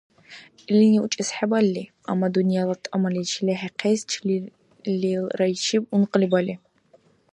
Илини учӀес хӀебали, амма дунъяла тӀамаличи лехӀихъес чилилрайчиб ункъли бали.